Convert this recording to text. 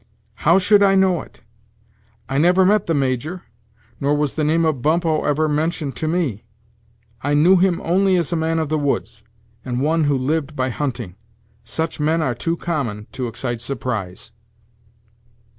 "How should I know it? I never met the Major, nor was the name of Bumppo ever mentioned to me. I knew him only as a man of the woods, and one who lived by hunting. Such men are too common to excite surprise."